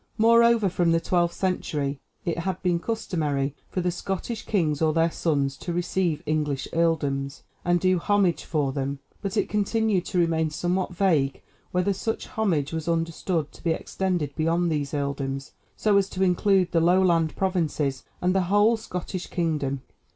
Moreover, from the twelfth century it had been customary for the Scottish kings or their sons to receive English earldoms, and do homage for them, but it continued to remain somewhat vague whether such homage was understood to be extended beyond these earldoms, so as to include the Lowland provinces and the whole Scottish kingdom.